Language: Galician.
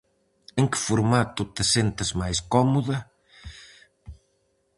En que formato te sentes máis cómoda?